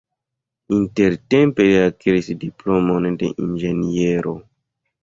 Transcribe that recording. Intertempe li akiris diplomon de inĝeniero.